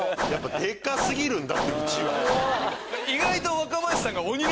デカ過ぎるんだってうちわが。